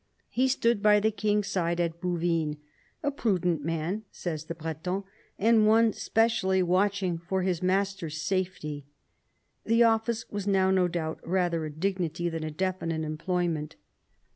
He stood by the king's side at Bouvines; "a prudent man," says the Breton, "and one specially watching for his master's safety." The office was now, no doubt, rather a dignity than a definite employment.